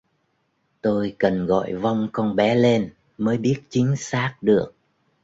Tôi cần gọi vong con bé lên mới biết chính xác được